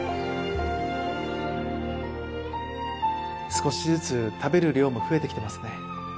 少しずつ食べる量も増えてきてますね。